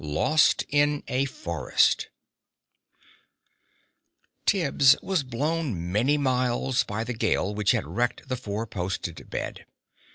LOST IN A FOREST Tibbs was blown many miles by the gale which had wrecked the four posted Bed.